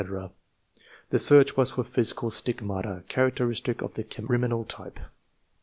The search was for physical "stigmata" characteristic of the "criminal type."